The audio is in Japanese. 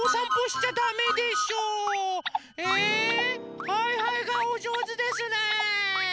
えはいはいがおじょうずですね。